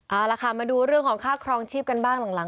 เอาละค่ะมาดูเรื่องของค่าครองชีพกันบ้างหลัง